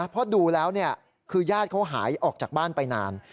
เพราะดูแล้วคือญาติเขาหายออกจากบ้านไปนาน